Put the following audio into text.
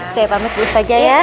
saya pamit dulu saja ya